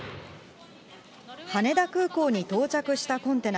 羽田空港に到着したコンテナ。